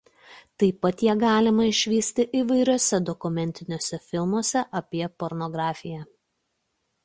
Taip pat ją galima išvysti įvairiuose dokumentiniuose filmuose apie pornografiją.